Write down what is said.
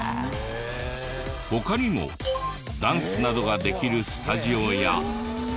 他にもダンスなどができるスタジオや。